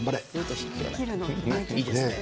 いいですね。